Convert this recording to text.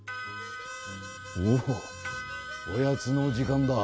おおおやつの時間だ。